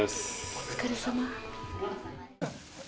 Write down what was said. お疲れさま。